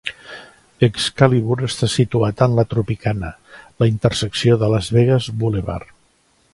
Excalibur està situat en la Tropicana - La intersecció de Las Vegas Boulevard.